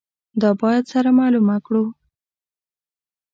دا باید سره معلومه کړو.